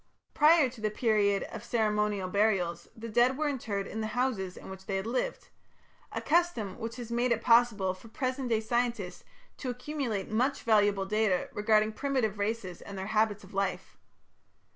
Prior to the period of ceremonial burials, the dead were interred in the houses in which they had lived a custom which has made it possible for present day scientists to accumulate much valuable data regarding primitive races and their habits of life.